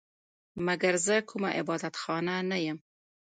مګر زه کومه عبادت خانه نه یم